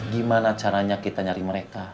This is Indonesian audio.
gimana caranya kita nyari mereka